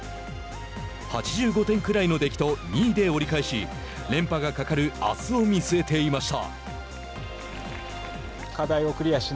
８５点くらいの出来と２位で折り返し連覇がかかるあすを見据えていました。